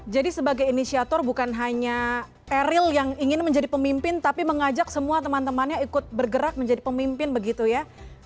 jadi sebagai inisiator bukan hanya eril yang ingin menjadi pemimpin tapi mengajak semua teman temannya ikut bergerak menjadi pemimpin begitu ya